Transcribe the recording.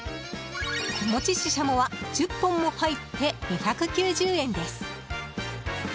子持ちししゃもは１０本も入って２９０円です。